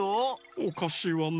おかしいわね